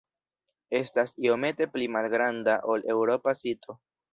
Estas iomete pli malgranda ol eŭropa sito.